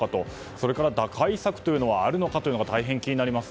それから、打開策はあるのかが大変気になります。